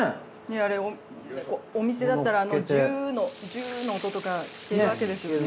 あれお店だったらあのジューの音とか聞けるわけですよね。